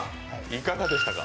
いかがでしたか。